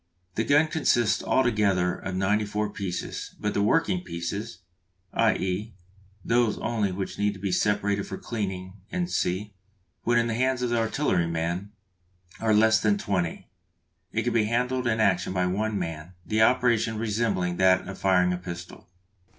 The gun consists altogether of ninety four pieces, but the working pieces, i.e. those only which need be separated for cleaning, &c., when in the hands of the artilleryman, are less than twenty. It can be handled in action by one man, the operation resembling that of firing a pistol.